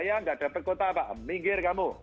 apa apa minggir kamu